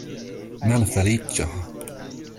Malfeliĉo!